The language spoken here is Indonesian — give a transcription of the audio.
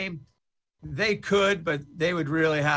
mereka bisa tapi mereka akan